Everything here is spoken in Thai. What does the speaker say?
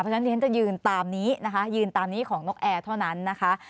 เพราะฉะนั้นที่ฉันจะยืนตามนี้นะคะยืนตามนี้ของนกแอร์เท่านั้นนะคะ